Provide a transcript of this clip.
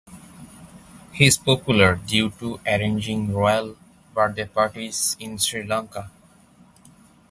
He is popular due to arranging royal birthday parties in Sri Lanka.